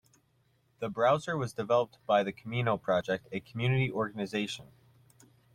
The browser was developed by the Camino Project, a community organization.